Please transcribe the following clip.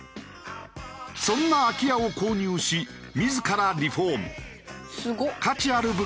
そんな空き家を購入し自らリフォーム。